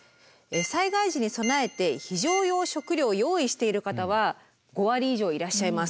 災害時に備えて非常用食料を用意している方は５割以上いらっしゃいます。